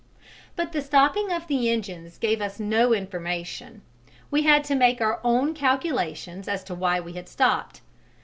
But the stopping of the engines gave us no information: we had to make our own calculations as to why we had stopped.